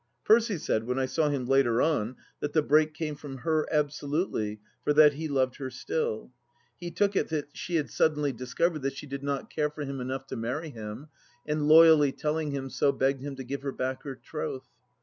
Percy said, when I saw him later on, that the break came from her, absolutely, for that he loved her still. He took it that she had suddenly discovered that she did not THE LAST DITCH 297 eare for him enough to marry him, and loyally telling him so begged him to give her back her troth.